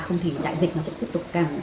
không thì đại dịch nó sẽ tiếp tục càng